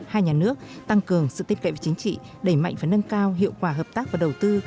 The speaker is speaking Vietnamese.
hai nhà nước tăng cường sự tiếp cận với chính trị đẩy mạnh và nâng cao hiệu quả hợp tác và đầu tư